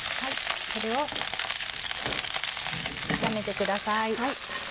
それを炒めてください。